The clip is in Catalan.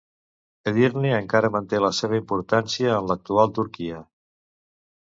Edirne encara manté la seva importància en l'actual Turquia.